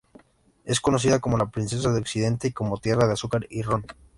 Es conocida como "La princesa de Occidente" y como "tierra de azúcar y ron".